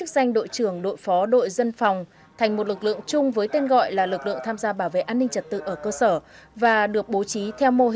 bộ trưởng bộ công an tặng bằng khen cho một mươi tám tác giả nhóm tác giả đạt giải cao